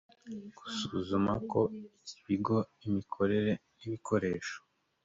gusuzuma ko ibigo imikorere n ibikoresho